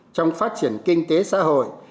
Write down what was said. trong phát triển kinh tế xã hội